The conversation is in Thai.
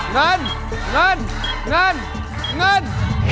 เงินเงินเงินเงิน